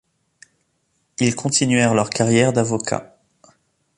Ils continuèrent leur carrière d’avocat.